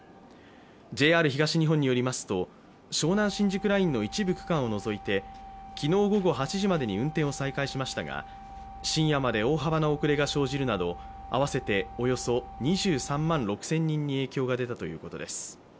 ＪＲ東日本によりますと湘南新宿ラインの一部区間を除いて昨日午後８時までに運転を再開しましたが大幅な遅れが生じるなど合わせておよそ２３万６０００人に影響が出たということです。